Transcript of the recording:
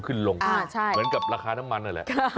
เหมือนกับราคาน้ำมันนั่นแหละ